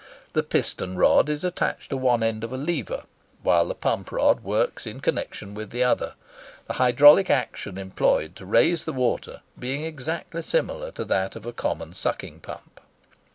The piston rod is attached to one end of a lever, whilst the pump rod works in connexion with the other,—the hydraulic action employed to raise the water being exactly similar to that of a common sucking pump.